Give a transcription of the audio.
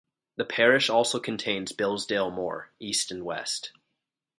The parish also contains Bilsdale Moor, East and West.